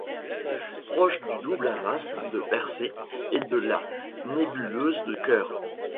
Proche du double amas de Persée et de la nébuleuse du Cœur.